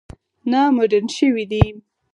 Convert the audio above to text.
نه مډرن شوي دي.